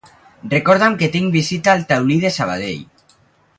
Recorda'm que tinc visita al Taulí de Sabadell.